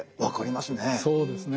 そうですね。